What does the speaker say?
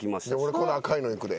俺この赤いのいくで。